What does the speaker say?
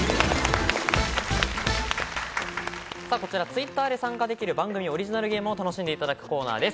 こちらＴｗｉｔｔｅｒで参加できる番組オリジナルゲームを楽しんでいただくコーナーです。